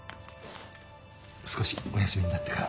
少しお休みになってから。